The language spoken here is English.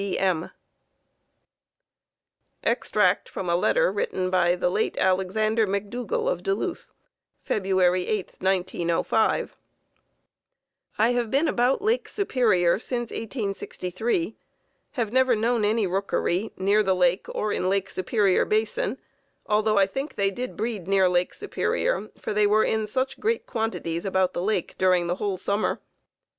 W. B. M. Extract from a letter written by the late Alexander McDougall of Duluth, February 8, 1905: I have been about Lake Superior since 1863. Have never known any rookery near the lake or in Lake Superior Basin, although I think they did breed near Lake Superior, for they were in such great quantities about the lake during the whole summer.